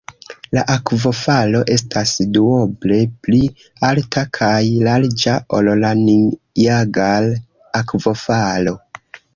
La akvofalo estas duoble pli alta kaj larĝa ol la Niagar-akvofalo.